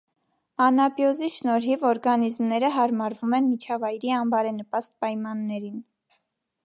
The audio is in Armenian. Անաբիոզի շնորհիվ օրգանիզմները հարմարվում են միջավայրի անբարենպաստ պայմաններին։